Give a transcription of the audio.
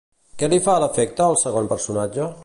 Què li fa l'efecte al segon personatge?